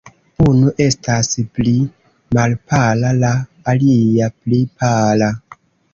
Unu estas pli malpala; la alia, pli pala.